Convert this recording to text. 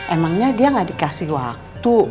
emangnya dia gak dikasih waktu